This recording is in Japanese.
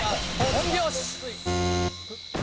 本拍子。